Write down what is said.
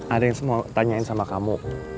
ada yang mau tanyain sama kamu